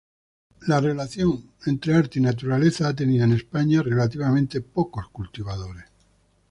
La relación entre arte y naturaleza ha tenido en España relativamente pocos cultivadores.